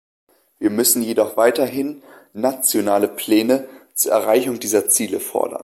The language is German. Wir müssen jedoch weiterhin nationale Pläne zur Erreichung dieser Ziele fordern.